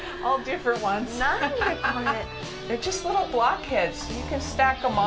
何で、これ。